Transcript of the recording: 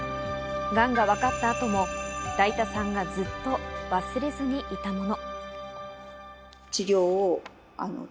がんがわかった後も、だいたさんがずっと忘れずにいたもの。